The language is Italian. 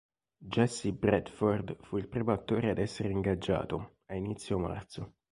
Jesse Bradford fu il primo attore ad essere ingaggiato, a inizio marzo.